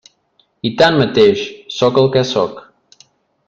I tanmateix, sóc el que sóc.